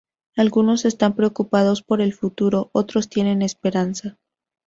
Algunos están preocupados por el futuro, otros tienen esperanza.